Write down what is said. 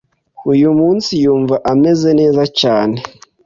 Uyu munsi yumva ameze neza cyane.